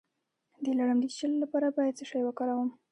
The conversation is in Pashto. د لړم د چیچلو لپاره باید څه شی وکاروم؟